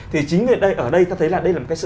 thì chính ở đây ta thấy là đây là một cái sự